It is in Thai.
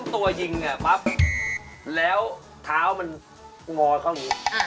ตัวยิงปั๊บแล้วเท้ามันงอเข้าอยู่